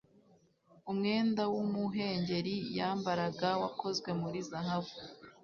Umwenda wumuhengeri yambaraga wakozwe muri zahabu